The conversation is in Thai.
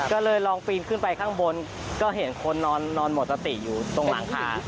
ก็เลยลองปีนขึ้นไปข้างบนก็เห็นคนนอนหมดสติอยู่ตรงหลังคา